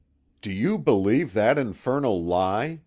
"Do you believe that infernal lie?"